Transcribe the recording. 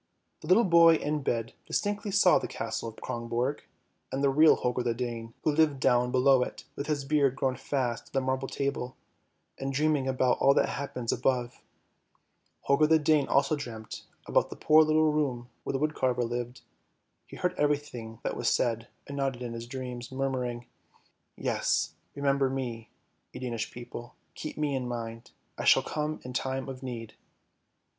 " The little boy in bed distinctly saw the castle of Kronborg and the real Holger the Dane, who lived down below it, with 1 The Observatory of Copenhagen. HOLGER THE DANE 229 his beard grown fast to the marble table, and dreaming about all that happens up above. Holger the Dane also dreamt about the poor little room where the woodcarver lived; he heard everything that was said and nodded in his dreams, murmuring, " Yes, remember me, ye Danish people! Keep me in mind, I shall come in time of need."